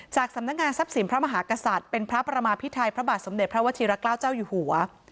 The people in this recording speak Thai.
สำนักงานทรัพย์สินพระมหากษัตริย์เป็นพระประมาพิไทยพระบาทสมเด็จพระวชิระเกล้าเจ้าอยู่หัว